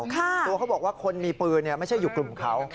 เขาบอกว่าคนมีปืนไม่ใช่อยู่กลุ่มเขา